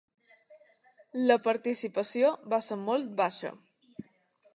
La participació va ser molt baixa.